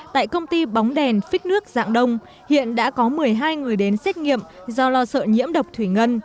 tại công ty bóng đèn phích nước dạng đông hiện đã có một mươi hai người đến xét nghiệm do lo sợ nhiễm độc thủy ngân